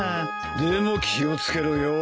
でも気を付けろよ。